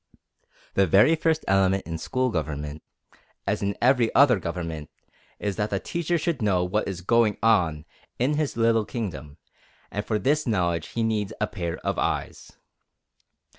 The very first element in school government, as in every other government, is that the teacher should know what is going on in his little kingdom, and for this knowledge he needs a pair of eyes.